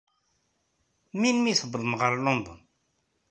Melmi ay tuwḍemt ɣer London?